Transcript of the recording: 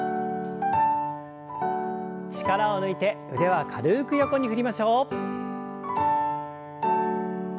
力を抜いて腕は軽く横に振りましょう。